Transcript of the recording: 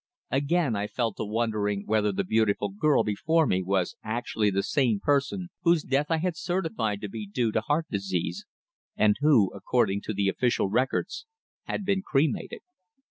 Again I fell to wondering whether the beautiful girl before me was actually the same person whose death I had certified to be due to heart disease, and who, according to the official records, had been cremated.